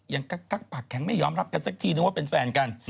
กักแข็งไม่ยอมรับกันสักทีนึงว่าเป็นแฟนกัน